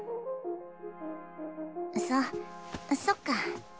そうそっか。